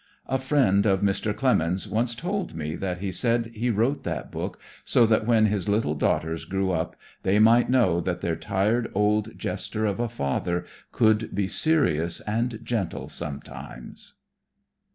A friend of Mr. Clemens' once told me that he said he wrote that book so that when his little daughters grew up they might know that their tired old jester of a father could be serious and gentle sometimes.